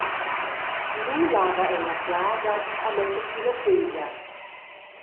Lu lava el la plaga e metta si la feglia.